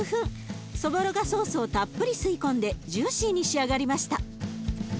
そぼろがソースをたっぷり吸い込んでジューシーに仕上がりました。